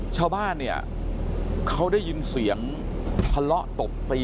ชาวบ้านเนี่ยเขาได้ยินเสียงทะเลาะตบตี